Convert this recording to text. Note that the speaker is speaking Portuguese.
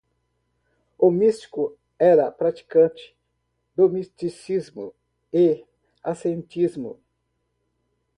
O místico era praticante do misticismo e ascetismo